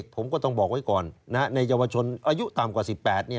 ผมก็ต้องบอกไว้ก่อนในเยาวชนอายุต่ำกว่า๑๘